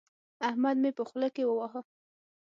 احمد مې په خوله کې وواهه.